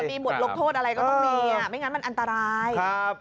จะมีบทลกโทษอะไรก็ต้องมีไม่งั้นมันอันตราย